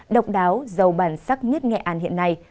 độc đáo giàu bản sắc nhất nghệ an hiện nay